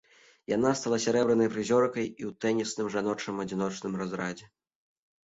Яна стала сярэбранай прызёркай у тэнісным жаночым адзіночным разрадзе.